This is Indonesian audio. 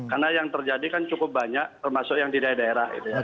karena yang terjadi kan cukup banyak termasuk yang di daerah daerah